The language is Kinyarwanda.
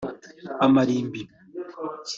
Amarimbi